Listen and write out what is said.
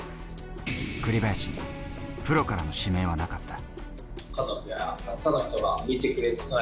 栗林にプロからの指名はなかった。